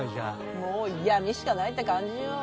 もう闇しかないって感じよ。